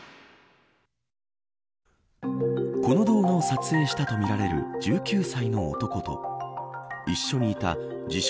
この動画を撮影したとみられる１９歳の男と一緒にいた自称